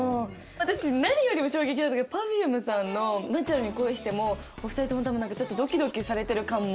私何よりも衝撃だったのがＰｅｒｆｕｍｅさんの「ナチュラルに恋して」もお二人とも多分何かちょっとドキドキされてる感も。